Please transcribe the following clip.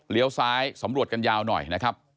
ซ้ายสำรวจกันยาวหน่อยนะครับ